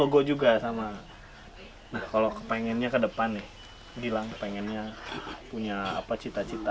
logo juga sama kalau kepengennya ke depan nih gilang pengennya punya apa cita cita